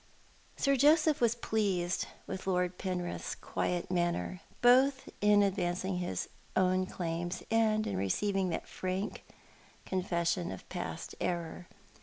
Sir Joseph was pleased with Lord Penrith's quiet manner, both in advancing his own claims and in receiving that frank confession of past error.